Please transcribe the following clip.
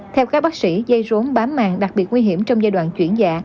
theo các bác sĩ dây rốn bám màng đặc biệt nguy hiểm trong giai đoạn chuyển dạ